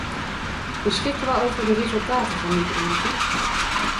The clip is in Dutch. Beschikken we over de resultaten van dit onderzoek?